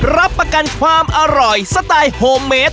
รับประกันความอร่อยสไตล์โฮมเมด